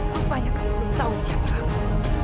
rupanya kamu belum tahu siapa aku